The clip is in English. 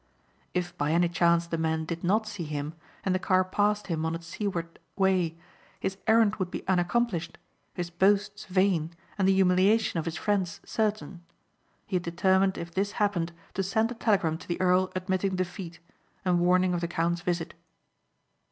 If by any chance the men did not see him and the car passed him on its seaward way his errand would be unaccomplished, his boasts vain and the humiliation of his friends certain. He had determined if this happened to send a telegram to the earl admitting defeat, and warning of the count's visit.